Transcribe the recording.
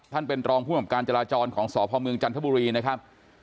ท่านเป็นโตรงผู้หุ้มการจราจรของสภจันทบุรีนะครับ